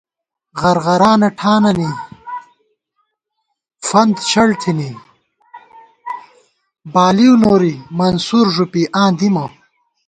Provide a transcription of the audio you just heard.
غرغرانہ ٹھانَنی فنت شڑ تھنی، بالِؤ نوری منصور ݫُپی آں دِمہ